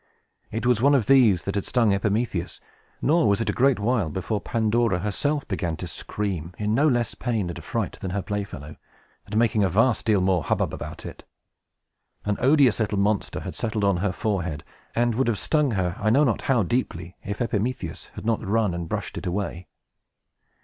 It was one of these that had stung Epimetheus. Nor was it a great while before Pandora herself began to scream, in no less pain and affright than her playfellow, and making a vast deal more hubbub about it. An odious little monster had settled on her forehead, and would have stung her I know not how deeply, if Epimetheus had not run and brushed it away.